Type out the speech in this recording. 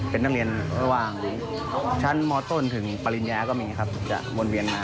ไปต่างชั้นมต้นถึงปริญญาก็มีครับ